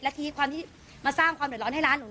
และทีความที่มาสร้างความเดือดร้อนให้ร้านหนู